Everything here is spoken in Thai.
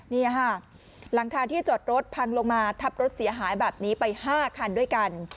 นี่ค่ะหลังคาที่จอดรถพังลงมาทับรถเสียหายแบบนี้ไป๕คันด้วยกัน